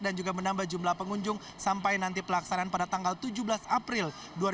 dan juga menambah jumlah pengunjung sampai nanti pelaksanaan pada tanggal tujuh belas april dua ribu enam belas